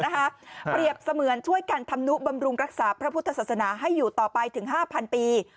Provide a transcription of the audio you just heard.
เปรียบเสมือนช่วยกันทำนุบำรุงรักษาพระพุทธศาสนาให้อยู่ต่อไปถึง๕๐๐ปี